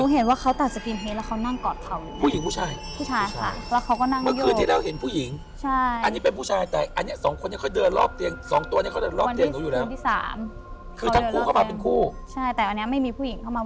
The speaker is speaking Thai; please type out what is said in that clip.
หอยอีกแล้วเหรออยากมาก็มา